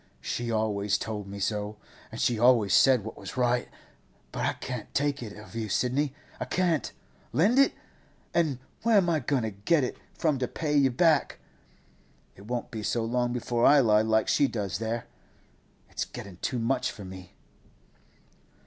'She always told me so, and she always said what was right. But I can't take it of you, Sidney; I can't! Lend it? An' where am I goin' to get it from to pay you back? It won't be so long before I lie like she does there. It's getting too much for me.